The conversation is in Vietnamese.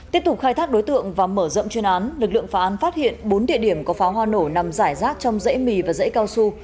tiếp tục khai thác đối tượng và mở rộng chuyên án lực lượng phá án phát hiện bốn địa điểm có pháo hoa nổ nằm giải rác trong dãy mì và dãy cao su